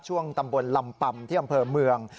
ช่วงตำบลลำปำที่อำเภอเมือง